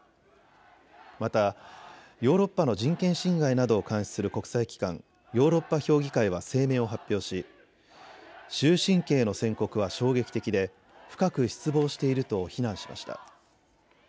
またヨーロッパの人権侵害などを監視する国際機関、ヨーロッパ評議会は声明を発表し終身刑の宣告は衝撃的で深く失望していると非難しました。